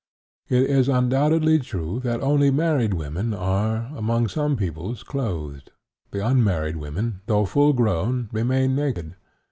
It is undoubtedly true that only married women are among some peoples clothed, the unmarried women, though full grown, remaining naked.